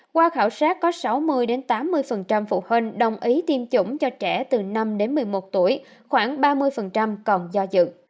qua khảo sát có sáu mươi tám mươi phụ huynh đồng ý tiêm chủng cho trẻ từ năm đến một mươi một tuổi khoảng ba mươi còn do dự